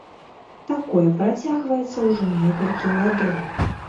Такое працягваецца ўжо некалькі гадоў.